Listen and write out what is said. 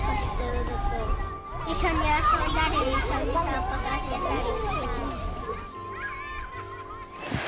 一緒に遊んだり、一緒に散歩させたりしたい。